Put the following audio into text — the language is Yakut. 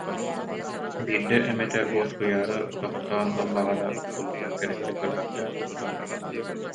Биирдэ эмэтэ уоскуйаары тох- тоон ыллаҕына тулатын кэриччи көрбөхтөөн ылар